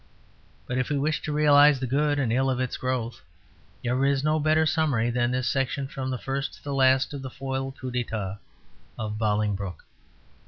But if we wish to realize the good and ill of its growth, there is no better summary than this section from the first to the last of the foiled coups d'état of Bolingbroke.